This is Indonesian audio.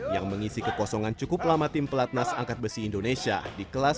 yang mengisi kekosongan cukup lama tim pelatnas angkat besi indonesia pun semakin lengkap